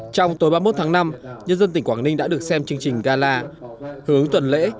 trong tối ba mươi một tháng năm nhân dân tỉnh quảng ninh đã được xem chương trình gala hưởng ứng tuần lễ